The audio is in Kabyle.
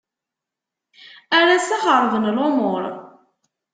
Ar assa xerben lumuṛ.